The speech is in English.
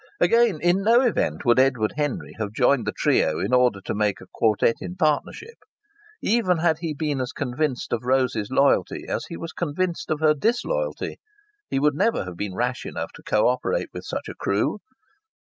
Again, in no event would Edward Henry have joined the trio in order to make a quartet in partnership. Even had he been as convinced of Rose's loyalty as he was convinced of her disloyalty, he would never have been rash enough to co operate with such a crew.